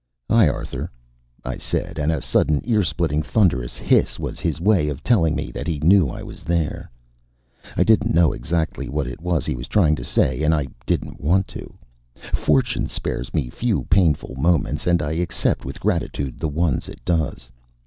"Hi, Arthur," I said, and a sudden ear splitting thunderous hiss was his way of telling me that he knew I was there. I didn't know exactly what it was he was trying to say and I didn't want to; fortune spares me few painful moments, and I accept with gratitude the ones it does.